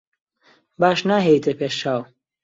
باش ناهێیتە پێش چاو.